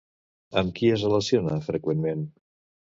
Amb qui es relaciona, freqüentment?